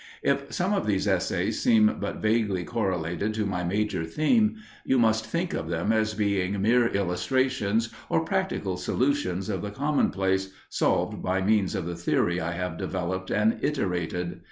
If some of these essays seem but vaguely correlated to my major theme, you must think of them as being mere illustrations or practical solutions of the commonplace, solved by means of the theory I have developed and iterated.